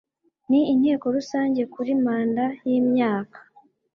n Inteko Rusange kuri manda y imyaka